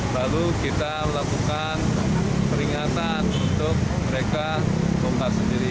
lalu kita melakukan peringatan untuk mereka bongkar sendiri